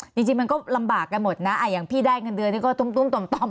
จริงจริงมันก็ลำบากกันหมดน่ะอ่ะอย่างพี่ได้กันเดือนนี่ก็ตุ้มตุ้มต่อมต่อม